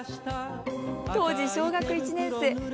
「当時小学１年生。